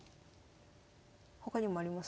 他にもあります？